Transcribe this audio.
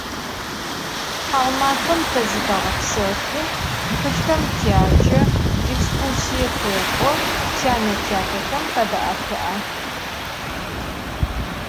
Thaumafem te zıteğepsefı, txılhxem tyace, ekskursiê tek'o, tyane - tyatexem tade'epı'e.